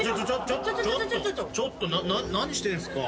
ちょっとちょっと何してんすか。